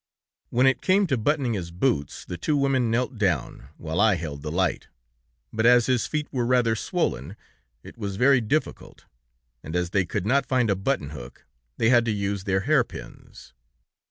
"When it came to buttoning his boots, the two women knelt down, while I held the light, but as his feet were rather swollen, it was very difficult, and as they could not find a button hook, they had to use their hairpins.